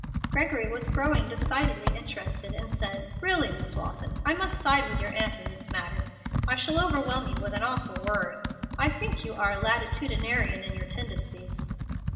Gregory was growing decidedly interested, and said, "Really, Miss Walton, I must side with your aunt in this matter. I shall overwhelm you with an awful word. I think you are latitudinarian in your tendencies."